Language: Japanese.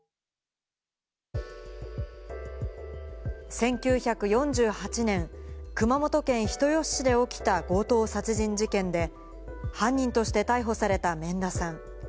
１９４８年、熊本県人吉市で起きた強盗殺人事件で、犯人として逮捕された免田さん。